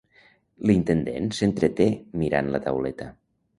L'intendent s'entreté mirant la tauleta.